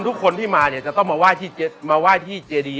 ทุกคนที่มาเนี่ยจะต้องมาไหว้มาไหว้ที่เจดี